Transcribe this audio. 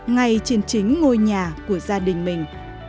ngay trên chính ngôi nhà của gia đình mình